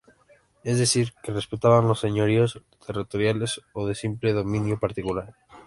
Es decir, se respetaban los señoríos territoriales o de simple dominio particular.